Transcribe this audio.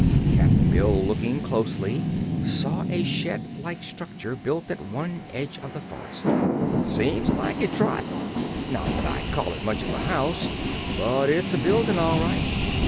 Cap'n Bill, looking closely, saw a shed like structure built at one edge of the forest. "Seems like it, Trot. Not that I'd call it much of a house, but it's a buildin', all right.